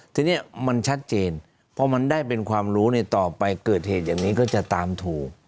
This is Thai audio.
ทีนี้มันชัดเจนพอมันได้เป็นความรู้ในต่อไปเกิดเหตุอย่างนี้ก็จะตามถูก